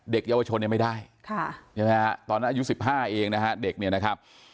เด็กเยาวชนยังไม่ได้ตอนนั้นอายุ๑๕เองนะฮะเด็กเมียนะครับ